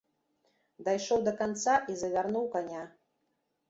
Дайшоў да канца і завярнуў каня.